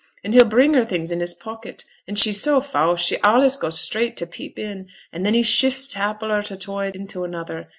And he'll bring her things in his pocket; and she's so fause, she allays goes straight to peep in, and then he shifts t' apple or t' toy into another.